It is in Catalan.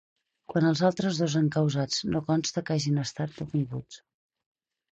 Quant als altres dos encausats no consta que hagin estat detinguts.